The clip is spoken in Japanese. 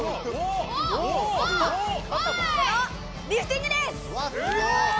このリフティングです！